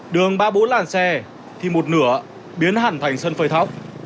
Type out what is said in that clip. đường ba bốn làn xe thì một nửa biến hẳn thành sân phơi thóc